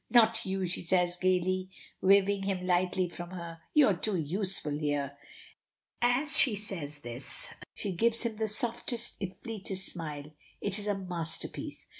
"Not you," she says gaily, waving him lightly from her. "You are too useful here" as she says this she gives him the softest if fleetest smile. It is a masterpiece.